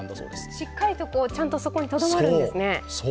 しっかりと、ちゃんとそこにとどまるんですね。